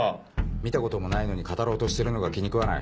見たこともないのに語ろうとしてるのが気に食わない。